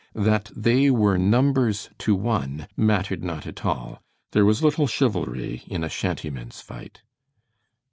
That they were numbers to one mattered not at all. There was little chivalry in a shantymen's fight.